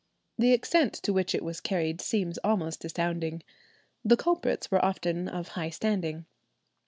The extent to which it was carried seems almost astounding. The culprits were often of high standing.